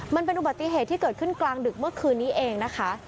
มันเป็นอุบัติเหตุที่เกิดขึ้นกลางดึกเมื่อคืนนี้เองนะคะ